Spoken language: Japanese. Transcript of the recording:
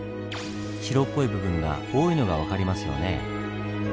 白っぽい部分が多いのが分かりますよね。